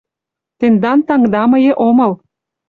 Тендан таҥда мые омыл.